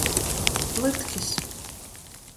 Lytkys.